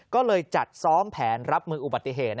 ก็เลยจัดซ้อมแผนรับมืออุบัติเหตุ